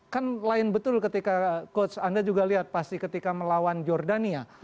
kan lain betul ketika coach anda juga lihat pasti ketika melawan jordania